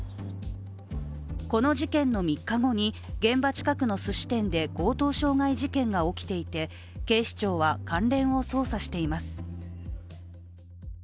この事件の３日後に、現場近くのすし店で強盗傷害事件が起きていて警視庁は、関連を捜査しています。